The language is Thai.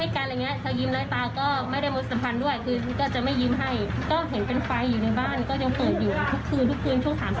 ไม่เห็นคำถามแล้วเหมือนกันค่ะ